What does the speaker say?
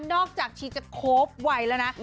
นอกจากที่จะโค๊ปวัยแล้วนะ